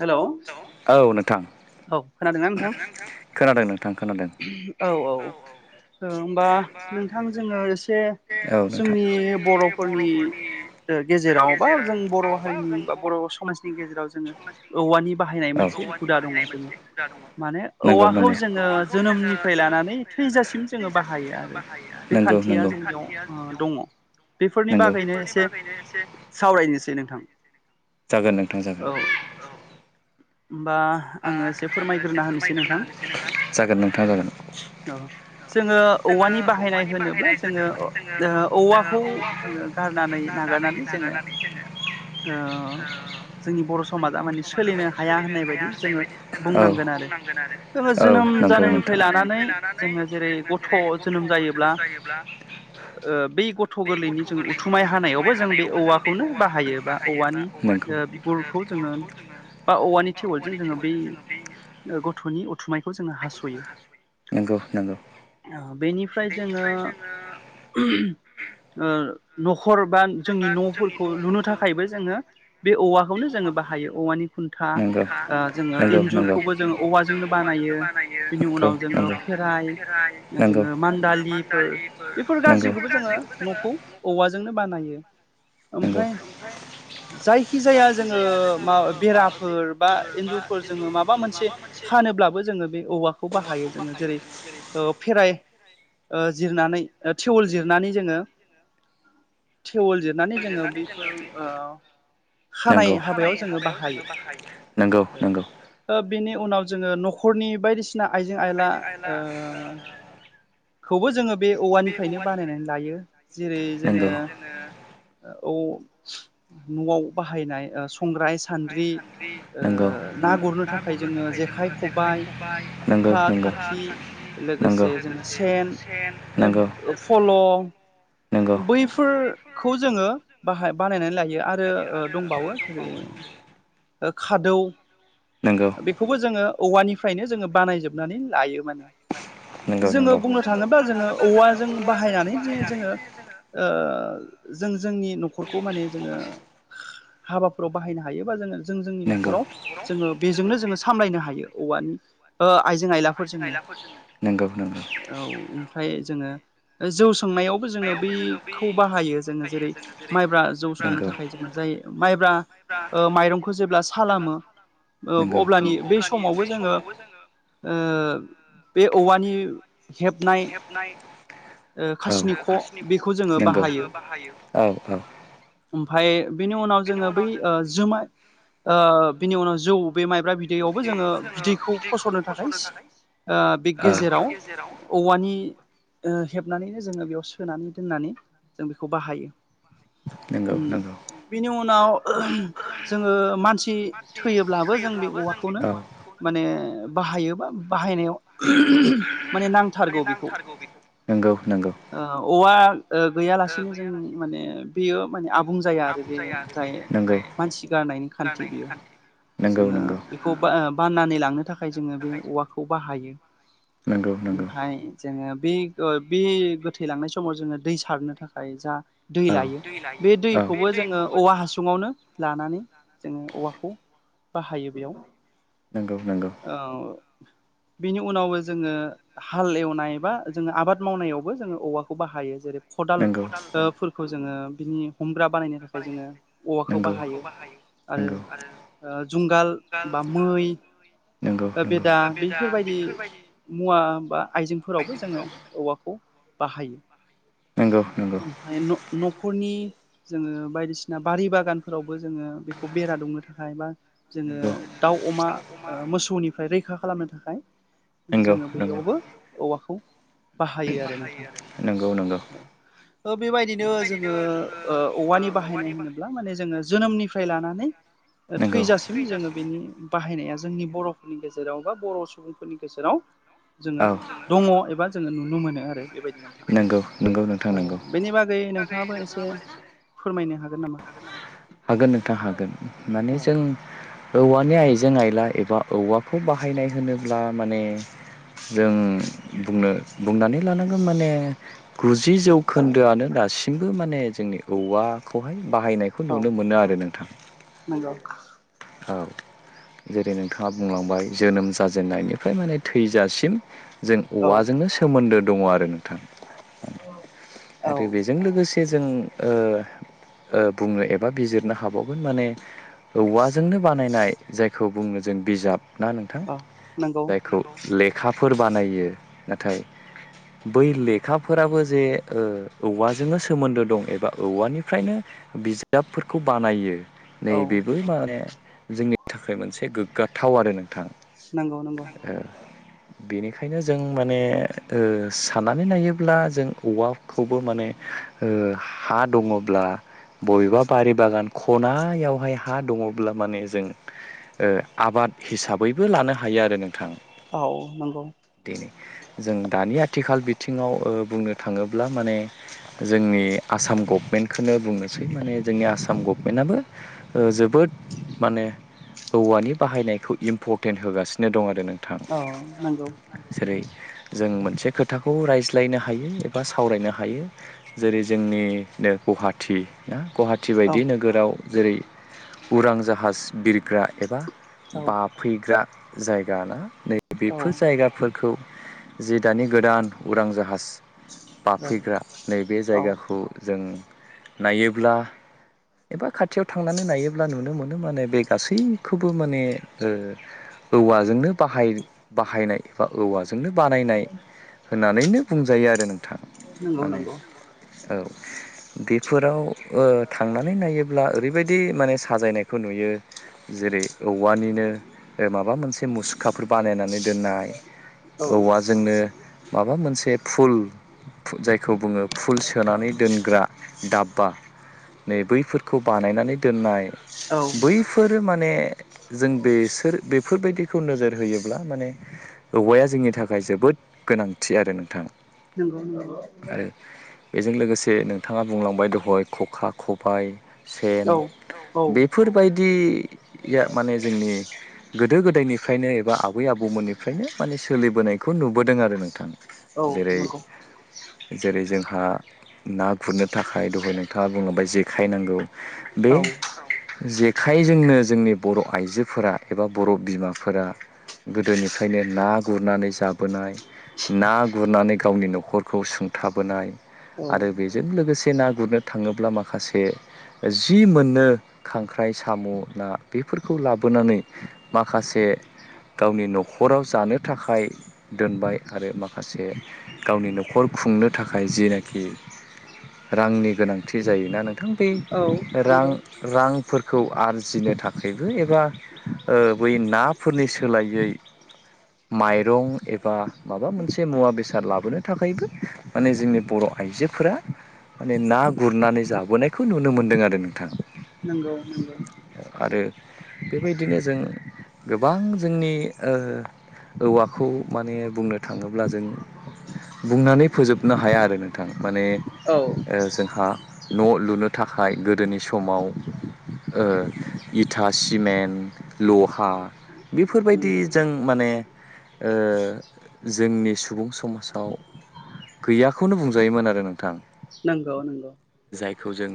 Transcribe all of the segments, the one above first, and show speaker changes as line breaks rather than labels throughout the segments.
हेल'
औ नोंथां
औ खोनादोंना नोंथां
खोनादों नोंथां खोनादों
औ औ होमबा नोंथां जोङो एसे
नोंथां
जोंनि बर'फोरनि गेजेराव बा जों बर' हारिनि बा बर' समाजनि गेजेराव जोङो औवानि बाहायनाय मोनसे हुदा दङ' जों माने
नंगौ नंगौ
औवाखौ जोङो जोनोमनिफ्राय लानानै थैजासिम जों जोङो बाहायो आरो बे
आरो
खान्थिया जोंनियाव दङ'। बेफोरनि
दङ।
बागैनो एसे सावरायनोसै नोंथां
जागोन नोंथां
औ
जागोन।
होमबा
आ
आङो एसे
आं एसे
फोरमायग्रोना होनोसै
फोरमायग्रोना
नोंथां
होनोसै जागोन नोंथां जागोन
औ जोङो
जोङो
औवानि बाहायनाय
औवानि
होनोब्ला
बाहायनाय
जोङो
होनोब्ला
ओ औवाखौ
जोङो औवाखौ
जोङो गारनानै
दा नो
नागारनानै जोङो
नागारनानै जोङो
ओ जोंनि बर' समाजा माने सोलिनो हाया होननाय बायदि जोङो
औ
बुंनांगोन आरो जोङो जोनोम जानायनिफ्राय लानानै
लानानै
जोङो जेरै
जों
गथ' जोनोम जायोब्ला बै गथ' गोरलैनि जों उथुमाय हानायावबो जों बे बे औवाखौनो बाहायो बा औवानि ओ बिगुरखौ जोङो बा औवानि टेवोलजों जोङो बै गथ'नि उथुमायखौ जोङो हास'यो।
नंगौ नंगौ
बेनिफ्राय जोङो ओ न खर बा जोंनि न'फोरखौ लुनो थाखायबो जोङो बे औवाखौनो जोङो बाहायो। औवानि खुन्था जोङो इन्जुरखौबो जोङो औवाजोंनो बानायो बिनि उनाव जोङो फेराय जोङो मान्दालिफोर बेफोर गासैखौबो जोङो न'खौ औवाजोंनो बानायो
न'खौ
ओमफ्राय जायखि जाया जोङो मा बेराफोर बा एन्जुरफोर जोङो माबा मोनसे खानोब्लाबो जोङो बे औवाखौ बाहायो जों जेरै ओ‌ फेराय जिरनानैे ओ टेवोल जिर
[inaudible]
टेवल जिरनानै जोङो बैफोर ओ खानाय
नंगौ
हाबायाव जोङो
नंगौ नंगौ
बाहायो
नंगौ
ओ बेनि उनाव जोङो न'खरनि‌ बायदिसि ना आइजें आइला ओ खौबो जोङो बे औवानिफ्रायनो बानायनानै लायो जेरै जोङो
नंगौ
औ न'आव बाहायनाय ओ सं ग्राय सान्द्रि ओ
नंगौ
ना गुरनो थाखाय जोङो जेखाइ खबाइ
सेखा
खखा खाखि लोगोसे जोङो सेन
नंगौ
फल'
नंगौ नंगौ
बैफोरखौ जोङो बाहाय बानायनानै लायो आरो दंबावो जेरै खादौ
नंगौ
बेखौबो जोङो औवानिफ्रायनो जोङो बानायजोबनानै लायो माने
नंगौ
जोङो
नंगौ
बुंनो थाङोब्ला जोङो औवाजों बाहायनानैनो जोङो ओ जों जोंनि न'खरखौ माने जोङो हाबाफोराव बाहायनो हायोबा जोङो जों जोंनि न'खराव जोङो बेजोंनो जोङो सामलायनो हायो औवानि ओ आइजें आइलाफोरजोंनो
न'खराव
औ ओमफाय जोङो जौ सं नायावबो जोङो बैखौ बाहायो जोङो जेरै माइब्रा जौ संनो थाखाय जोङो जाय माइब्रा माइरंखौ जेब्ला सालामो अब्लानि बे समावबो जोङो ओ बे औवानि हेबनाय
ओ
खासिनि ख' बेखौ जोङो बाहायो
ओ बे
ओमफ्राय बिनि उनाव जोङो बै जुमाय ओ बिनि उनाव जौ बे माइब्रा बिदैआवबो जोङो बिदैखौ फसरनो थाखाय ओ बे गेजेराव औवानि ओ हेबनानैनो जोङो बेयाव सोनानै दोननानै जों बेखौ बाहायो।
नंगौ
उम
नंगौ
बेनि उनाव जोङो मानसि थैयोब्लाबो जों बे औवाखौनो माने बाहायोबा बाहायनायाव माने नांथारगौ बेखौ
ओ
औवा गैयालासेनो जों माने बेयो माने आबुं जाया आरो बे जाय मानसि गारनायनि खान्थि बेयो।
नंगौ
जोङो
नंगौ
बेखौ बाननानै लांनो थाखाय जोङो बे औवाखौ बाहायो
नंगौ नंगौ।
ओमफ्राय जोङो बे बे गोथै लांनाय समाव जोङो दै सारनो थाखाय जा दै लायो बे दैखौबो जोङो औवा हासुङावनो लानानै जोङो औवाखौ बाहायो बेयाव
नंगौ नंगौ
[inaudible] बिनि उनावबो जोङो हाल एवनाय बा जोङो आबाद मावनायावबो जोङो औवाखौ बाहायो जेरै
जेरै
खदालफोरखौ जोङो बिनि हमग्रा बानायनो थाखा य जोङो औवाखौ बाहायो आरो जुंगाल बा
नंगौ
मै बेदा बेफोरबायदि मुवा बा आइजेंफोरावबो जोङो औवाखौ बाहायो ओमफ्राय न'खरनि जोङो बायदिसिना बारि बागानफोराव बो जोङो बेखौ बेरा दुमनो थाखाय बा जोङो
नंगौ।
दाउ अमा ओ मोसौनिफ्राय रैखा खा खालामनो थाखाय
नंगौ
जोङो
नंगौ
बैयावबो औवाखौ बाहायो आरो नोंथां
नंगौ नंगौ
बेबायदिनो जोङो औवानि बाहायनाय होनोब्ला माने जोङो जोनोमनिफ्राय लानानै
नंगौ।
थैजासिम जोङो बेनि बाहायनाया जों नि बर'फोरनि गेजेराव बा बर' सुबुंफोरनि गेजेराव जोङो
औ
दङ' एबा जोङो नुनो मोनो आरो बेबायदि नोंथां
नंगौ नंगौ नोंथां
औ
नंगौ
बेनि बागै नोंथाङाबो एसे फोरमायनो हागोन नामा
हागोन नोंथां हागोन माने
औ
जों औवानि आइजें आइला एबा औवाखौ बाहायनाय होनोब्ला माने जों बुंनो बुंनानै लानांगोन माने गुजि जौखोन्दोआनो दासिमबो माने जोंनि औवाखौहाय बाहायनाय खौ
औ
नुनो मोनो आरो नोंथां
नंगौ
औ जेरै नोंथाङा बुंलांबाय जोनोम जाजेननायनिफ्राय माने थैजासिम जों
औ
औवाजोंनो सोमोन्दो दङ आरो नोंथां
औ
आरो बेजों लोगोसे जों ओ ओ बुंनो एबा बिजिरनो हाबावगोन माने औवाजोंनो बानायनाय जायखौ बुङो जों बिजाब ना नोंथां
औ नंगौ
जायखौ लेखाफोर बानायो नाथाय बै लेखाफोराबो जे ओ औवाजोंनो सोमोन्दो दं एबा औवानिफ्रायनो बिजाबफोरखौ बानायो। नै
औ
बेेबो माने जोंनि थाखाय मोनसे गोग्गाथाव आरो नोंथां।
नंगौ नंगौ।
ओ बेनिखायनो जों माने ओ साननानै नायोब्ला जों औवा खौबो माने हा दङब्ला बबेबा बारि बागान खनायावहाय हा दङब्ला माने जों आबाद हिसाबैबो लानो हायो आरो नोंथां।
औ नंगौ।
दिनै जों दानि आथिखाल बिथिङाव ओ बुंनो थाङोब्ला माने जोंनि आसाम गभमेन्टखौनो बुंनोसै माने जोंनि आसाम गभमेन्टआबो जोबोद जोबोद माने औवानि बाहायनायखौ इम्परटेन्ट होगासिनो दं आरो नों
औ नंगौ।
जों मोनसे खोथाखौ रायज्लायनो हायो बा सावरायनो हायो जेरै जोंनिनो गुवाहाटि ना गुवाहाटि‌
औ
बायदि नोगोराव जेरै उरां जाहाज बिरग्रा एबा
औ
बाफैग्रा जायगाना नै
औ
बेफोर जायगाफोरखौ जि दानि गोदान उरां जाहास
औ
बाफैग्रा नैबे
औ
जायगाखौ जों नायोब्ला एबा खाथियाव थांनानै नायोब्ला नुनो मोनो माने बे गासैखौबो माने ओ औवाजोंनो बाहाय बाहायनाय एबा औवाजों जोंनो बानायनाय होननानैनो बुंजायो आर
नंगौ नंगौ।
औ बेफोराव ओ थांनानै नायोब्ला ओरैबायदि दि माने साजायनायखौ नुयो जेरै औवानिनो माबा मोनसे मुसुखाफोर बानायनानै दोननाय
औ
औवाजोंनो माबा मोनसे फुल जायखौ बुङो फुल सोनानै दोनग्रा दाब्बा नै बैफोरखौ बानायनानै दोननाय
औ
बैफोर माने जों बेसोर बेफोरबायदिखौ नोजोर होयोब्ला माने औवाया जोंनि थाखाय जोबोद गोनांथि आरो नोंथां।
नोंगौ नोंगौ।
आरो बेजों लोगोसे नोंथाङा बुंलांबाय दहाय खखा खबाय सेन
औ औ
बेफोरबायदिया माने जोंनि गोदो गोदायनिफ्रायनो एबा आबै आबौमोननिफ्रायनो माने सोलिबोनायखौ नुबोदों आरो नोंथां।
औ
जेरै
नंगौ।
जेरै जोंहा ना गुरनो थाखाय दहाय नोंथाङा बुङोब्ला जेखाइ नांगौ बे
औ
जेख खाय जोंनो जोंनि बर आइजोफोरा एबा बर बिमाफोरा गोदोनिफ्रायनो ना गुरनानै जाबोनाय ना गुरनानै गावनि नखर खरखौ सुंथाबोनाय
औ
आरो बेजों लोगोसे ना गुरनो थाङोब्ला माखासे जि मोननो खांख्राइ साम' ना बेफोरखौ लाबोनानै माखासे गावनि नखराव जानो थाखाय दोनबाय आरो माखासे गावनि नखर खुंनो थाखाय जिनाखि रांनि गोनांथि जायोना नों थां बे
औ
रां
नंगौ
रांफोर खौ आरजिनो थाखायबो एबा बै नाफोरनि सोलायै माइरं एबा माबा मोनसे मुवा बेसाद लाबो लाबोनो थाखायबो माने जोंनि बर‌आइजोफोरा माने ना गुरनानै जाबोनायखौ नुनो मोन्दों आरो नोंथां
नंगौ नंगौ
आरो बेबायदिनो जों गोबां जोंनि औवाखौ माने बुंनो थाङोब्ला जों बुंनानै फोजोबनो हाया आरो नोंथां माने
औ
जोंहा न लुनो थाखाय गोदोनि समाव ओ इथा सिमेन्ट लहा बेफोरबायदि
नंगौ
जों माने ओ जोंनि सुबुं समाजाव दाव गैयाखौनो बुंजायोमोन आरो नोंथां
नंगौ नंगौ
जायखौ जों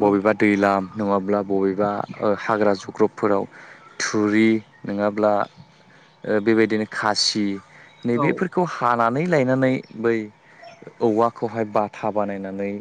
औ
दैलाम नङाब्ला बबेबा ओ हाग्रा जग्रबफोराव थुरि नोङाब्ला ओ बेबायदिनो खासि नै
औ
बेफोरखौ हानानै नै लायनानै बै औवाखौहाय बाथा बानायनानै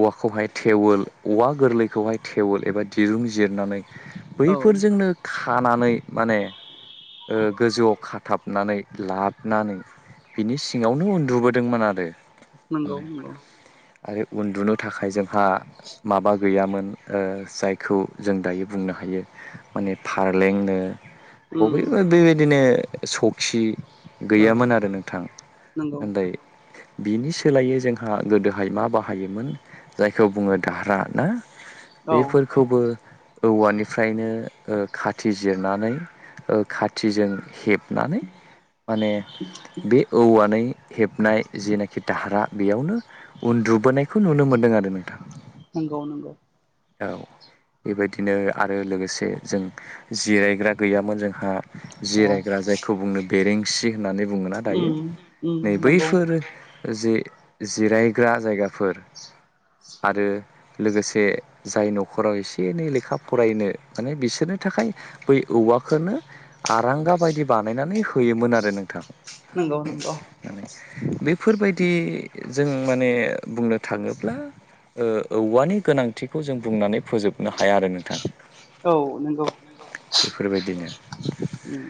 औवाखौहाय थेवोल औवा गोरलैखौहाय थेवोल एबा दिरुं जिरनानै बै-
औ
फोरजोंनो खानानै माने ओ गोजौआव खाथाबनानै लाबनानै बिनि सिङावनो उन्दुबोदोंमोन आरो
नंगौ
माने
नंगौ
आरो उन्दुनो थाखाय जोंहा माबा गैयामोन ओ जायखौ जों दायो बुंनो हायो हायो माने फारलें नो
उम
बबेबो बेबायदिनो सखि
औ
गैयामोन आरो नों-
नंगौ
ओनदायो बिनि सोलायै जोंहा गोदोहाय मा बाहायोमोन जायखौ बुङो दाहारा ना
औ
बेफोरखौबो औवानिफ्रायनो ओ खाथि जिरनानै ओ खाथिजों हेबनानै माने बे औवानै हेबनाय जेनाखि दाहारा बेयावनो उन्दुबोनायखौ नुनो मोनदों आरो आरो नोंथां
नंगौ नंगौ
औ बेबायदिनो आरो लोगोसे जों जिरायग्रा गैयामोन जोंहा
औ
जिरायग्रा जायखौ बुंनो बेरेंसि होननानै बुङोना दायो उम नै बैफोर जै जिरायग्रा जायगाफोर आरो लोगोसे जाय न'खराव एसे एनै लेखा फरायनो माने बिसोरनो नि थाखाय बै औवखोनो आरांगा बायदि बानायनानै होयोमोन आरो नोंथां
नंगौ नंगौ
माने बेफोरबायदि जों माने बुंनो थाङोब्ला ओ औवानि गोनांथिखौ जों बुंनानै फोजोबनो हाया आरो नोंथां
औ नंगौ
बेफोरबायदिनो
उम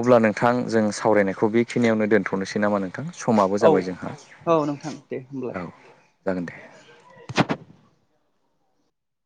अब्ला नोंथां जों सावरायनायखौ बे बेखिनियावनो दोनथ'नोसै नामा नोंथां समाबो
औ
जाबाय जोंहा
औ नोंथां दे होमब्लाय
औ जागोन दे